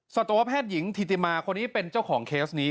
สัตวแพทย์หญิงธิติมาคนนี้เป็นเจ้าของเคสนี้